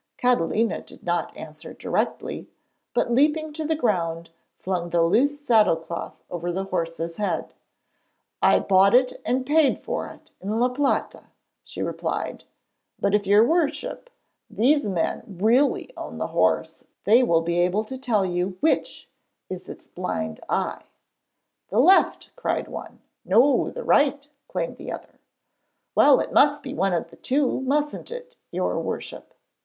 Catalina did not answer directly, but, leaping to the ground, flung the loose saddle cloth over the horse's head. 'I bought it and paid for it in La Plata,' she replied; 'but if, your worship, these men really own the horse, they will be able to tell you which is its blind eye.' 'The left,' cried one. 'No; the right,' exclaimed the other. 'Well, it must be one of the two, mustn't it, your worship?'